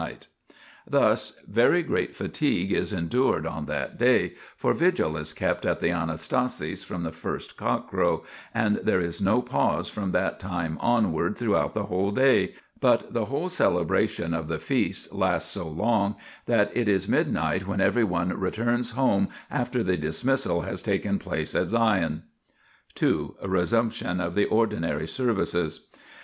THE PILGRIMAGE OF ETHERIA 89 Thus very great fatigue is endured on that day, for vigil is kept at the Anastasis from the first cockcrow, and there is no pause from that time onward through out the whole day, but the whole celebration (of the Feast) lasts so long that it is midnight when every one returns home after the dismissal has taken place at Sion. 2. Resumption of the Ordinary Services.